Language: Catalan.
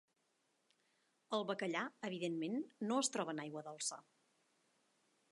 El bacallà, evidentment, no es troba en aigua dolça.